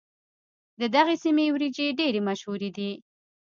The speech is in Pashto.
د دغې سيمې وريجې ډېرې مشهورې دي.